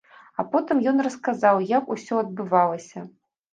А потым ён расказаў, як усё адбывалася.